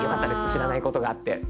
知らないことがあって。